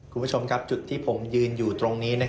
คุณผู้ชมครับจุดที่ผมยืนอยู่ตรงนี้